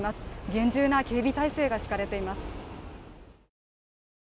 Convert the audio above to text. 厳重な警備態勢が敷かれています。